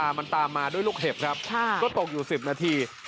มันตามมาด้วยลูกเห็บครับก็ตกอยู่๑๐นาที